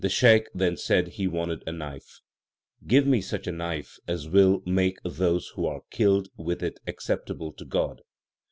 The Shaikh then said he wanted a knife Give me such a knife as will make those who are killed with it acceptable to God.